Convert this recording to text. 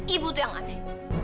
ibu itu yang aneh